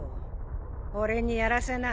俺にやらせな。